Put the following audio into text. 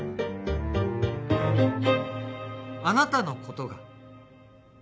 「あなたのことが」